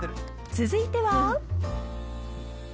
続いては。